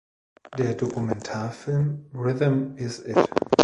Der Dokumentarfilm "Rhythm Is It!